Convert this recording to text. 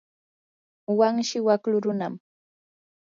wanshi waklu runam.